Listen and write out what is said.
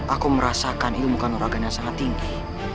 aku merasakan ilmu kineraganya sangat tinggi